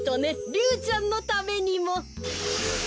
リュウちゃんのためにも。